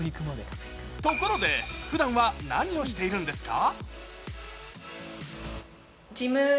ところで、ふだんは何をしているんですか？